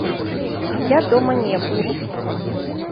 Я дома не быў.